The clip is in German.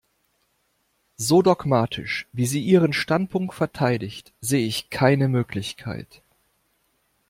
So dogmatisch, wie sie ihren Standpunkt verteidigt, sehe ich keine Möglichkeit.